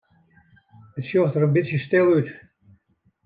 It sjocht der in bytsje stil út.